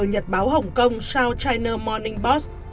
nhật báo hồng kông south china morning post